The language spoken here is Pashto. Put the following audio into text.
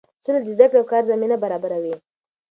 سوله د زده کړې او کار زمینه برابروي.